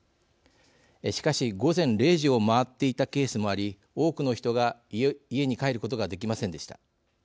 しかし、午前０時を回っていたケースもあり多くの人が家に帰ることができませんでした。